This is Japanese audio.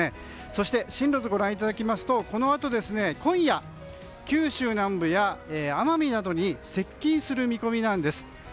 そして進路図ご覧いただきますとこのあと、今夜九州南部や、奄美などに接近する見込みです。